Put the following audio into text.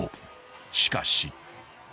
［しかし］